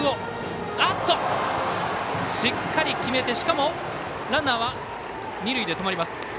しっかり決めて、ランナーは二塁で止まります。